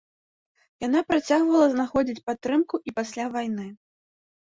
Яна працягвала знаходзіць падтрымку і пасля вайны.